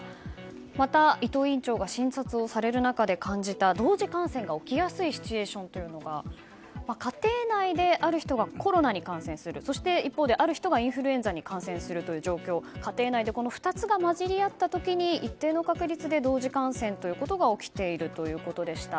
また伊藤院長が診察される中で感じた同時感染が起きやすいシチュエーションというのが家庭内である人がコロナの感染する一方である人がインフルエンザに感染する家庭内で２つが交じり合った時に一定の確率で同時感染が起きているということでした。